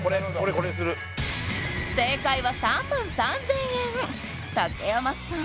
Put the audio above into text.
これにする正解は３万３０００円竹山さん